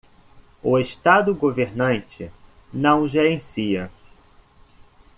O estado governante não gerencia.